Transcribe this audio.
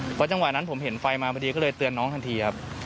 เพราะจังหวะนั้นผมเห็นไฟมาพอดีก็เลยเตือนน้องทันทีครับ